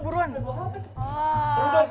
berapa kata pak